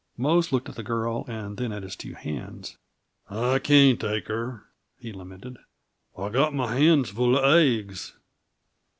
Mose looked at the girl and then at his two hands. "I can't take her," he lamented. "I got m'hands full of aigs!"